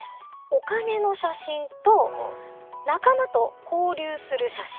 お金の写真と仲間と交流する写真。